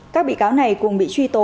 các bị cáo này cùng bị truy tố